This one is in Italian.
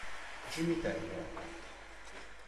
Jimmie Taylor